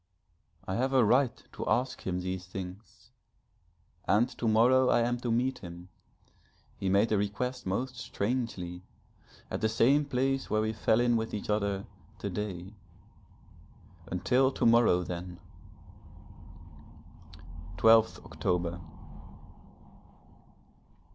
I have a right to ask him these things. And to morrow I am to meet him, he made the request most strangely at the same place where we fell in with each other to day until to morrow then! _12th October.